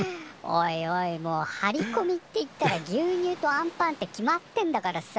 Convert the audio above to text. おいおいもう張りこみっていったら牛乳とあんパンって決まってんだからさ